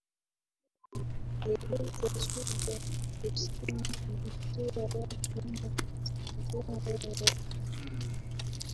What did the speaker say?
aeleza sudan kusini inafikia wapi na kaskazini inafikia wapi